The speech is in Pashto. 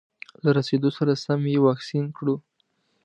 له رسېدو سره سم یې واکسین کړو.